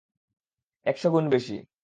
একশো গুণ বেশি।